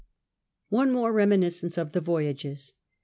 One more remini scence of the voyages.